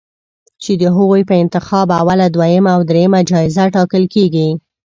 چې د هغوی په انتخاب اوله، دویمه او دریمه جایزه ټاکل کېږي